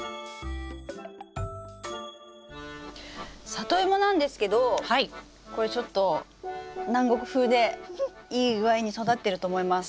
サトイモなんですけどこれちょっと南国風でいい具合に育ってると思います。